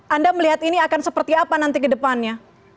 anda melihat ini akan seperti apa nanti ke depannya